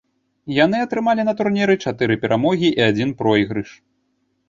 Яны атрымалі на турніры чатыры перамогі і адзін пройгрыш.